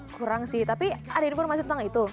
kurang sih tapi ada informasi tentang itu